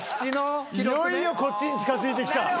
いよいよこっちに近づいてきた。